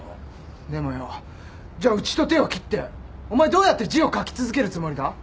でもよじゃあうちと手を切ってお前どうやって字を書き続けるつもりだ？